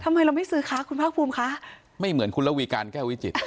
ทำไมเราไม่ซื้อคะคุณภาคภูมิคะไม่เหมือนคุณระวีการแก้ววิจิตร